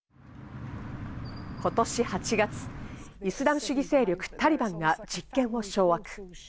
今年８月、イスラム主義勢力・タリバンが実権を掌握。